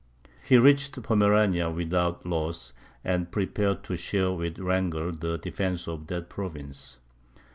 He reached Pomerania without loss, and prepared to share with Wrangel the defence of that province.